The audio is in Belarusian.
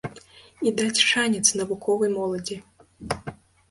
І даць шанец навуковай моладзі.